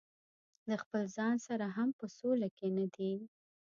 د خپل ځان سره هم په سوله کې نه دي.